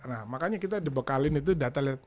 nah makanya kita dibekalin itu data